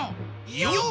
よっ！